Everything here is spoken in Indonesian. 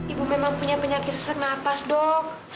ibu memang punya penyakit sesek napas dok